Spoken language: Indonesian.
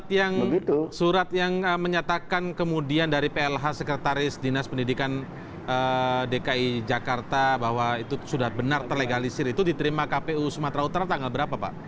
nah surat yang menyatakan kemudian dari plh sekretaris dinas pendidikan dki jakarta bahwa itu sudah benar terlegalisir itu diterima kpu sumatera utara tanggal berapa pak